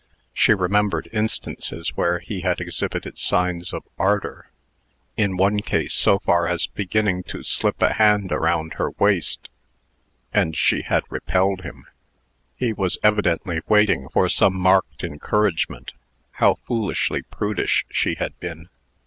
She remembered instances where he had exhibited signs of ardor in one case so far as beginning to slip a hand around her waist and she had repelled him. He was evidently waiting for some marked encouragement. How foolishly prudish she had been!